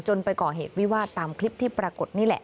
ไปก่อเหตุวิวาสตามคลิปที่ปรากฏนี่แหละ